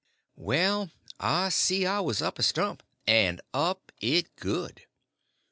Well, I see I was up a stump—and up it good.